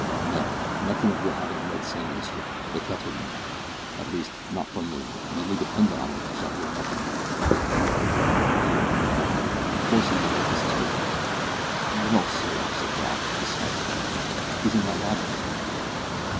"No, nothing of your having led Sammy astray, if that's what you mean, at least, not from me, and you may depend on it he shall hear nothing, if you only confide in me. Of course he may have his suspicions." "Well, sir," said Dobbs, with a sigh of relief, "he's in my lodgings."